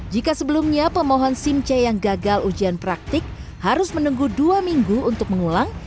jika sebelumnya pemohon simc yang gagal ujian praktik harus menunggu dua minggu untuk mengulang